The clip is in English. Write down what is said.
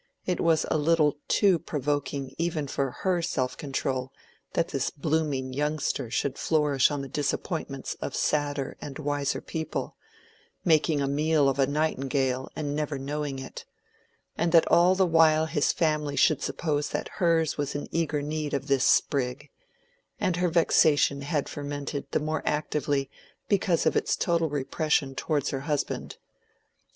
It was a little too provoking even for her self control that this blooming youngster should flourish on the disappointments of sadder and wiser people—making a meal of a nightingale and never knowing it—and that all the while his family should suppose that hers was in eager need of this sprig; and her vexation had fermented the more actively because of its total repression towards her husband.